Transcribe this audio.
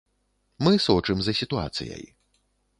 Мы сочым за сітуацыяй.